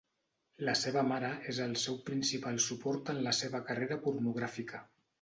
La seva mare és el seu principal suport en la seva carrera pornogràfica.